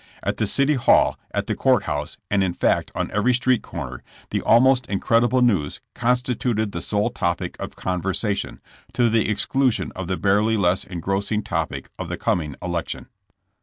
At the city hall, at the court house, and in fact on every street corner, the almost incredible news constituted the sole topic of conver sation, to the exclusion of the barely less engrossing topic of the coming election.